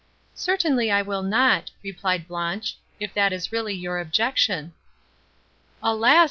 "Certainly I will not," replied Blanche, "if that is really your objection." "Alas!